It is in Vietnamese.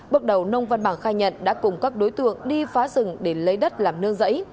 bước đầu nông văn bằng khai nhận đã cùng các đối tượng đi phá rừng để lấy đất làm nương rẫy